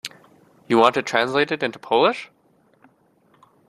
You want it translated into Polish?